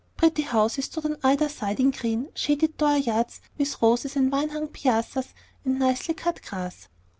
Pretty houses stood on either side in green, shaded door yards, with roses and vine hung piazzas and nicely cut grass.